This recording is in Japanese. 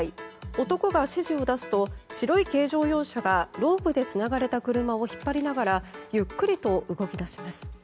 男が指示を出すと白い軽乗用車がロープでつながれた車を引っ張りながらゆっくりと動き出します。